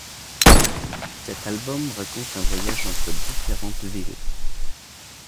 Cet album raconte un voyage entre différentes villes.